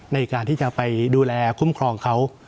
ในการที่จะไปดูแลคุ้มครองเขา